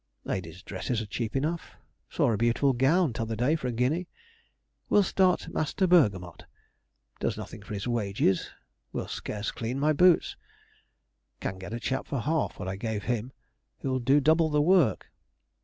Ladies' dresses are cheap enough. Saw a beautiful gown t'other day for a guinea. Will start Master Bergamotte. Does nothing for his wages; will scarce clean my boots. Can get a chap for half what I give him, who'll do double the work.